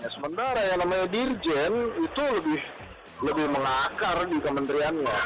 sementara yang namanya dirjen itu lebih mengakar di kementeriannya